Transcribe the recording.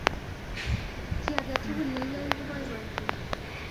Kiy ake tukul ne iyoe kopoipoiton.